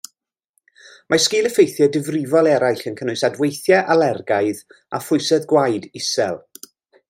Mae sgil-effeithiau difrifol eraill yn cynnwys adweithiau alergaidd a phwysedd gwaed isel.